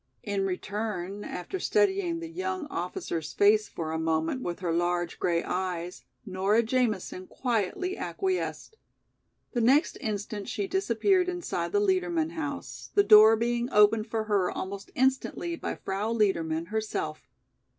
In return, after studying the young officer's face for a moment with her large grey eyes, Nora Jamison quietly acquiesced. The next instant she disappeared inside the Liedermann house, the door being opened for her almost instantly by Frau Liedermann herself.